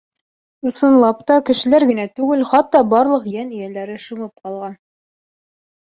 Ысынлап та кешеләр генә түгел, хатта барлыҡ йән эйәләре шымып ҡалған.